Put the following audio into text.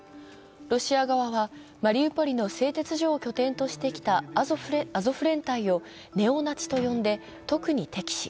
ロシア側はマリウポリの製鉄所を拠点としてきたアゾフ連隊をネオナチと呼んで特に敵視。